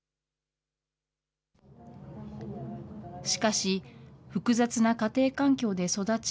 しかし、複雑な家庭環境で育ち、